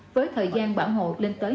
với thời gian bảo hộ lên tới hai mươi năm